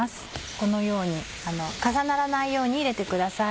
このように重ならないように入れてください。